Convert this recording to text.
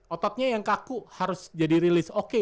ototnya yang kaku harus jadi rilis oke